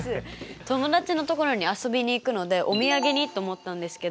友達のところに遊びに行くのでお土産にと思ったんですけど。